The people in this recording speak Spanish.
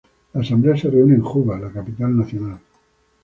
La Asamblea se reúne en Juba, la capital nacional.